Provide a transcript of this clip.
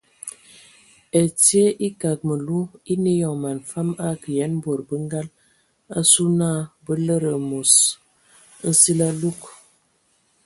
Ɛtie ekag məlu eine eyɔŋ man fam akə yen bod bə ngal asu na bə lede amos nsili alug.